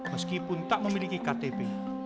meskipun tak memiliki ktp